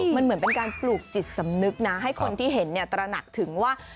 มันเหมือนเป็นการปลูกจิตสำนึกนะให้คนที่เห็นตระหนักถึงว่า